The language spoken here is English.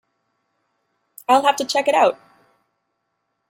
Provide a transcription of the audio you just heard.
I’ll have to check it out.